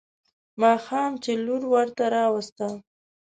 ماښام چې لور ورته راوسته.